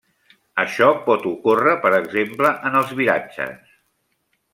Això pot ocórrer, per exemple, en els viratges.